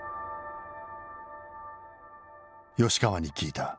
吉川に聞いた。